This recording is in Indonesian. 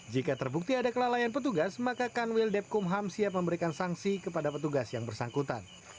jika terbukti ada kelalaian petugas maka kanwil depkumham siap memberikan sanksi kepada petugas yang bersangkutan